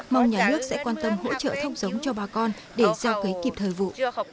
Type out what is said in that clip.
mong nhà nước sẽ quan tâm hỗ trợ thóc giống cho bà con để gieo cấy kịp thời vụ